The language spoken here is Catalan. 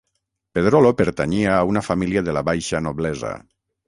Pedrolo pertanyia a una família de la baixa noblesa